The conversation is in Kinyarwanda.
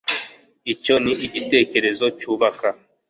Icyo ni igitekerezo cyubaka